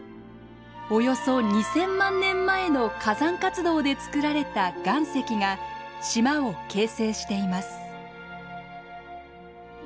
およそ２，０００万年前の火山活動で作られた岩石が島を形成しています。